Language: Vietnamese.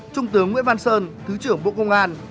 trung tướng nguyễn văn sơn thứ trưởng bộ công an